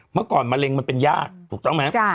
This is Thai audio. เมื่อก่อนมะเร็งมันเป็นยากถูกต้องไหม